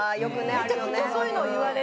めちゃくちゃそういうのを言われて。